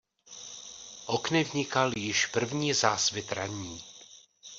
Okny vnikal již první zásvit ranní.